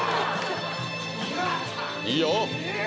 いいよ！